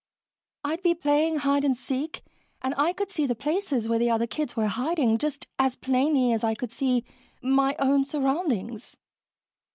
I'd be playing hide and seek, and I could see the places where the other kids were hiding just as plainly as I could see my own surroundings.